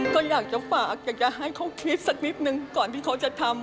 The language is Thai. ก็อยากจะฝากอยากจะให้เขาคิดสักนิดนึงก่อนที่เขาจะทำ